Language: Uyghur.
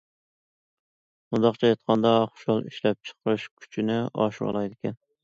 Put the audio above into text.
مۇنداقچە ئېيتقاندا، خۇشاللىق ئىشلەپچىقىرىش كۈچىنى ئاشۇرالايدىكەن.